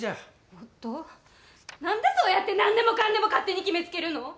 おっとう、なんでそうやって何でもかんでも勝手に決めつけるの？